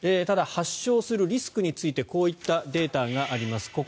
ただ、発症するリスクについてこういったデータがあります。